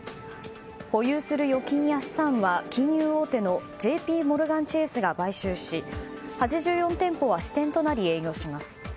保有する預金や資産は金融王手のＪＰモルガン・チェースが買収し８４店舗は支店となり営業します。